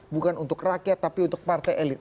bukan untuk rakyat tapi untuk partai elit